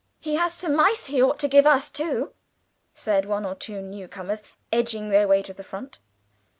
"He has some mice he ought to give us, too," said one or two new comers, edging their way to the front.